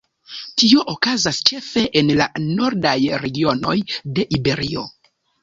Tio okazas ĉefe en la nordaj regionoj de Iberio.